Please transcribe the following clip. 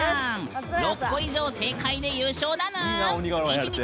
６個以上正解で優勝だぬーん。